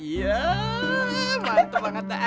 yaa mantap banget